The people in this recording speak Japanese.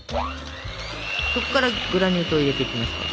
そっからグラニュー糖入れていきますから。